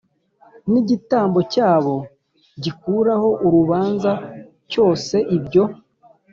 N igitambo cyabo gikuraho urubanza cyose ibyo